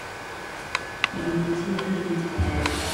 ini kupitia hili tayari